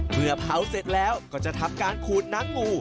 เมื่อเผาเสร็จแล้วก็จะทำการขูดน้ำงู